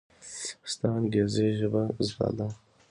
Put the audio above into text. ستا انګرېزي ژبه زده ده!